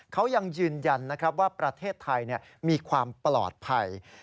เขายังยืนยันนะครับว่าประเทศไทยมีความปลอดภัย